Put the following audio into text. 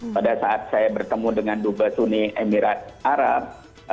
pada saat saya bertemu dengan dubas uni emirat arab